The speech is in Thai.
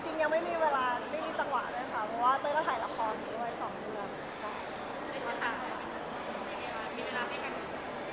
จริงยังไม่มีเวลาไม่มีตังหวะด้วยผมก็ถ่ายละครด้วย๒ทุกวัน